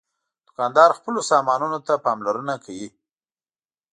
دوکاندار خپلو سامانونو ته پاملرنه کوي.